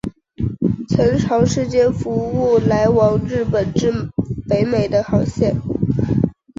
曾长时间服务来往日本至北美的航线。